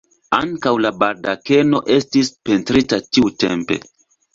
Ankaŭ la baldakeno estis pentrita tiutempe.